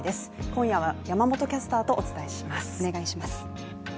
今夜は山本キャスターとお伝えします。